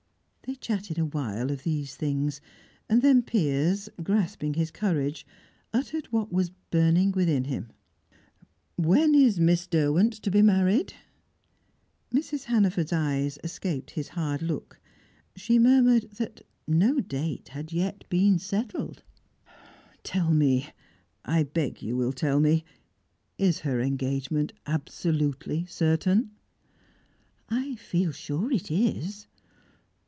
They chatted a while of these things. Then Piers, grasping his courage, uttered what was burning within him. "When is Miss Derwent to be married?" Mrs. Hannaford's eyes escaped his hard look. She murmured that no date had yet been settled. "Tell me I beg you will tell me is her engagement absolutely certain?" "I feel sure it is."